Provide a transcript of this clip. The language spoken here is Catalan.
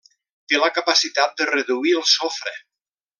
Té la capacitat de reduir el sofre.